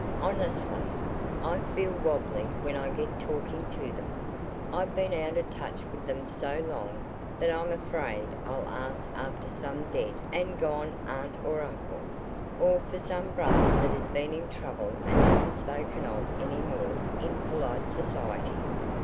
Honestly, I feel wobbly when I get to talking to them. I've been out of touch with them so long that I'm afraid I'll ask after some dead and gone aunt or uncle, or for some brother that has been in trouble and isn't spoken of any more in polite society.